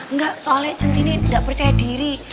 enggak soalnya centini enggak percaya diri